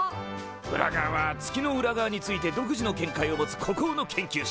ウラガワは月の裏側について独自の見解を持つ孤高の研究者。